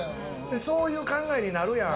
そういう考えになるやん？